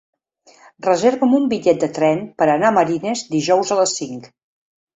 Reserva'm un bitllet de tren per anar a Marines dijous a les cinc.